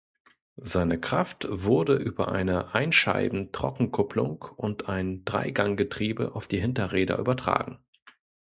Seine Kraft wurde über eine Einscheiben-Trockenkupplung und ein Dreiganggetriebe auf die Hinterräder übertragen.